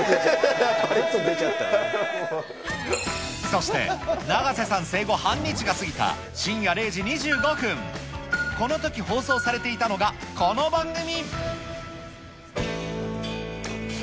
そして永瀬さん生後半日が過ぎた深夜０時２５分、このとき放送されていたのが、この番組。